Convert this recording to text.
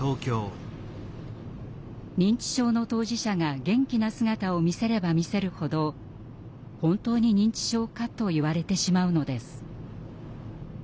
認知症の当事者が元気な姿を見せれば見せるほど「本当に認知症か？」と言われてしまうのです。